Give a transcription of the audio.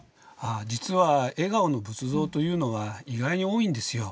実は笑顔の仏像というのは意外に多いんですよ。